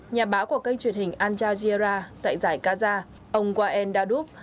nhà báo của kênh truyền hình al jazeera tại giải gaza ông wael dadup